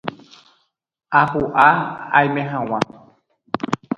Apu'ã aimehágui